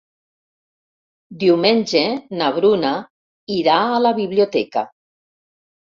Diumenge na Bruna irà a la biblioteca.